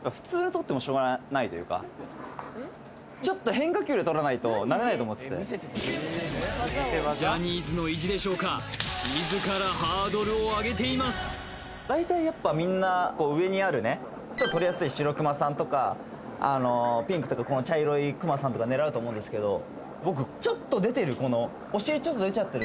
ホントにあのなれないと思っててジャニーズの意地でしょうかだいたいやっぱみんな上にあるね取りやすいシロクマさんとかピンクとか茶色いクマさんとか狙うと思うんですけど僕ちょっと出てるこのおしりちょっと出ちゃってる